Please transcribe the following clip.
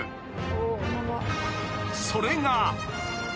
［それが］